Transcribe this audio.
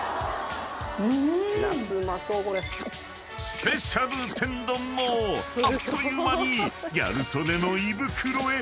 ［スペシャル天丼もあっという間にギャル曽根の胃袋へ］